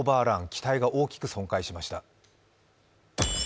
機体が大きく破損しました。